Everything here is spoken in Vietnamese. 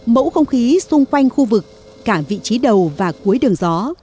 mẫu không khí xung quanh khu vực cả vị trí đầu và cuối đường gió